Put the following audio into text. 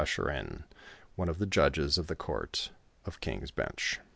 Taschereaii, one of the judges of the court of King's bench.)